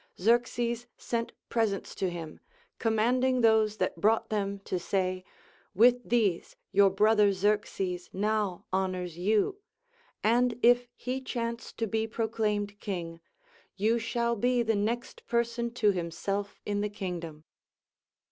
Xerxes sent presents to him, commanding those that brought them to say : ΛYith these your brother Xerxes now honors you ; and if he chance to be proclaimed king, you shall be the next person to himself in the kingdom.